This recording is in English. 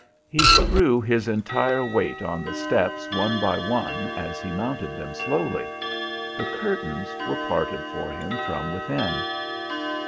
He threw his entire weight on the steps one by one, as he mounted them slowly. The curtains were parted for him from within.